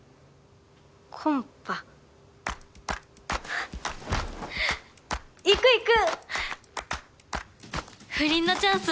コンパ行く行く！